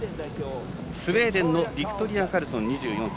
スウェーデンのビクトリア・カルソン、２４歳。